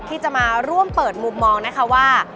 ที่จะมาร่วมเปิดมุมมองนะคะว่า